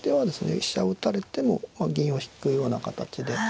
飛車を打たれても銀を引くような形で。